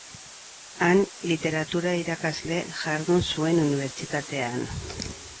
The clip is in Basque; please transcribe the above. Han, literatura-irakasle jardun zuen unibertsitatean.